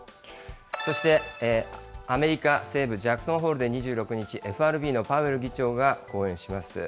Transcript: そして、アメリカ西部ジャクソンホールで、２６日、ＦＲＢのパウエル議長が講演します。